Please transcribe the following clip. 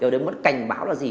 để muốn cảnh báo là gì